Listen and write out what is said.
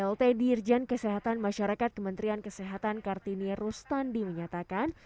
plt dirjen kesehatan masyarakat kementerian kesehatan kartini rustandi menyatakan